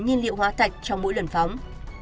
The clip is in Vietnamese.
nhiên liệu hóa thạch trong mỗi lần phóng